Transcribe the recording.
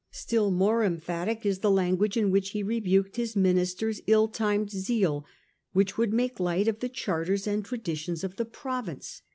Still more emphatic is the language in which he rebuked his minister's ill timed zeal, which would make light of the charters and traditions of the province.